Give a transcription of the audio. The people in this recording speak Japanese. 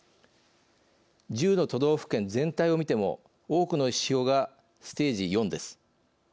１０の都道府県全体を見ても多くの指標がステージ４です。